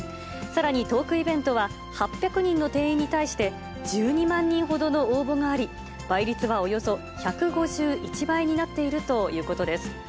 さらにトークイベントは、８００人の定員に対して、１２万人ほどの応募があり、倍率はおよそ１５１倍になっているということです。